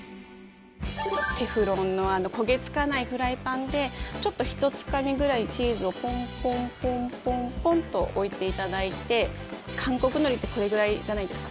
テフロンの焦げつかないフライパンでちょっとひとつかみくらいチーズをポン、ポン、ポン、ポン、ポンと置いていただいて韓国のりってこれくらいじゃないですか。